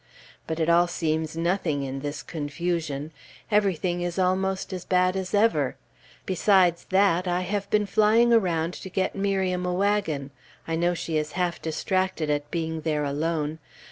But it all seems nothing in this confusion; everything is almost as bad as ever. Besides that, I have been flying around to get Miriam a wagon. I know she is half distracted at being there alone.